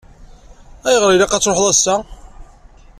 Ayɣer i ilaq ad tṛuḥeḍ ass-a?